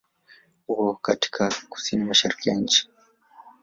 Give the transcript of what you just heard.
Uko katika kusini-mashariki ya nchi.